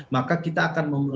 maka kita akan memperbaiki